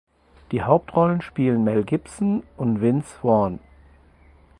Die Hauptrollen spielen Mel Gibson und Vince Vaughn.